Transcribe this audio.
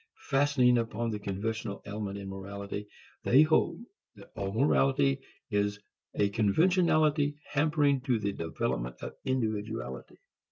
Fastening upon the conventional element in morality, they hold that all morality is a conventionality hampering to the development of individuality.